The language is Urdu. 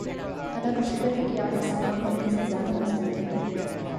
اللہ کا شکر ہے کہ آج اسلام پہلے سے زیادہ مضبوط ہے۔